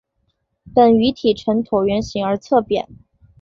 本鱼体呈椭圆形而侧扁。